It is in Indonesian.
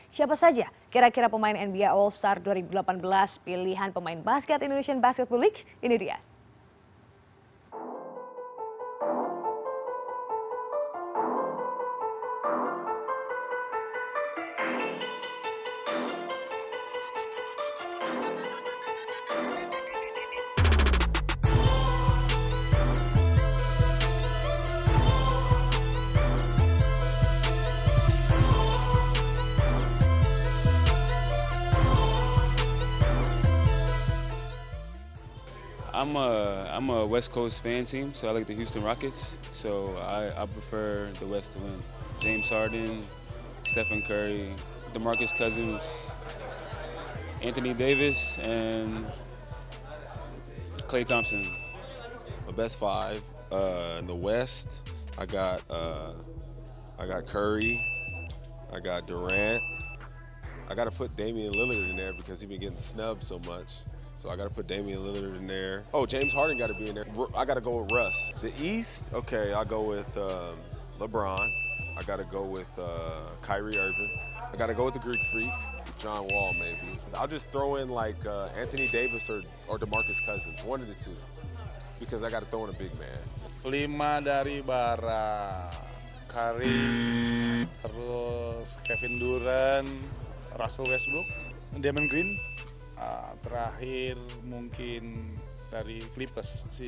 siapa saja kira kira pemain nba all stars dua ribu delapan belas pilihan pemain basket indonesian basketball league ini dia